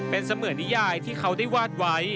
เป็นเสมือนนิยายที่เขาได้วาดไว้